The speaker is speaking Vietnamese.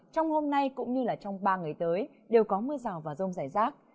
trong hôm nay cũng như trong ba ngày tới đều có mưa rào và rông rải rác